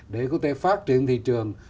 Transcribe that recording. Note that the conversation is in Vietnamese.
để có thể phát triển thị trường